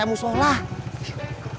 emang nggak jadi